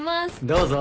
どうぞ。